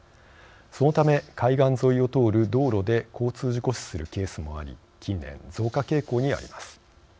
そのため海岸沿いを通る道路で交通事故死するケースもあり近年、増加傾向にあります。